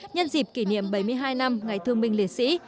nhân dịp kỷ niệm bảy mươi hai năm ngày thương minh liệt sĩ